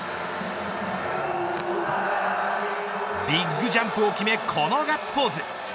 ビッグジャンプを決めこのガッツポーズ。